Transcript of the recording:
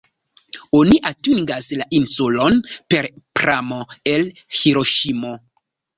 Oni atingas la insulon per pramo el Hiroŝimo.